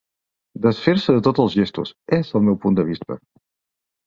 Desfer-se de tots els gestos, és el meu punt de vista.